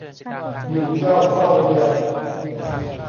อยู่เหย้าเฝ้าเรือน